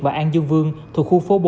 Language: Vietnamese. và an dương vương thuộc khu phố bốn